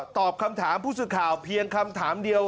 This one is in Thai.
ตอบคำถามผู้สื่อข่าวเพียงคำถามเดียว